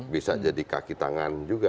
bisa jadi kaki tangan juga